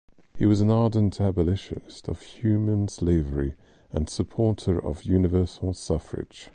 He was an ardent abolitionist of human slavery and supporter of universal suffrage.